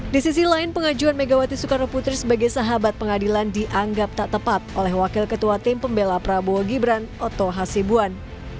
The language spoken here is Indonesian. di sisi lain pengajuan megawati soekarno putri sebagai sahabat pengadilan dianggap tak tepat oleh wakil ketua tim pembela prabowo gibran oto hasibuan